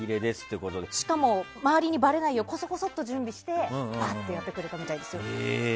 しかも周りにばれないようにこそこそっと準備してばっとやってくれたみたいです。